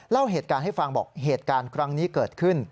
เล่าเหตุการณ์ให้ฟังบอกเหตุการณ์ครั้งนี้เกิดขึ้น